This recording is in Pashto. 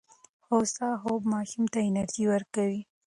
هوسا خوب ماشوم ته انرژي ورکوي.